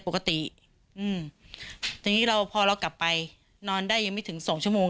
ปกติอืมทีนี้เราพอเรากลับไปนอนได้ยังไม่ถึงสองชั่วโมง